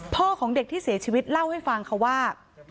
พ่อของเด็กที่เสียชีวิตเล่าให้ฟังค่ะว่า